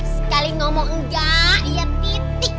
sekali ngomong enggak ya titik